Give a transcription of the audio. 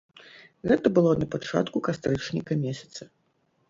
Гэта было на пачатку кастрычніка месяца.